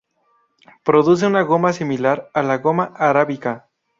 Produce una goma similar a la goma arábica.